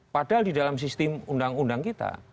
padahal di dalam sistem undang undang kita